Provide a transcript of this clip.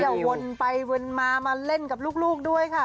วนไปวนมามาเล่นกับลูกด้วยค่ะ